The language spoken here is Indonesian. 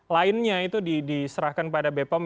lainnya itu diserahkan kepada bpom